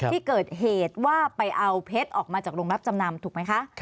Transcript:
ที่เกิดเหตุว่าไปเอาเพชรออกมาจากโรงรับจำนำถูกไหมคะ